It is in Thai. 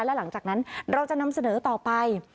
และหลังจากนั้นเราจะนำเสนอต่อไป